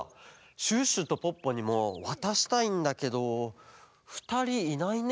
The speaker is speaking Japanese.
シュッシュとポッポにもわたしたいんだけどふたりいないね。